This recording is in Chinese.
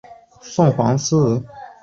之后戏剧作品不断并往中国大陆发展。